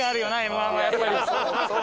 Ｍ−１はやっぱり！